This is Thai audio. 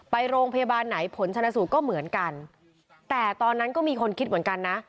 ไปโรงพยาบาลไหนผลชนะสูตรก็เหมือนกันแต่ตอนนั้นก็มีคนคิดเหมือนกันนะ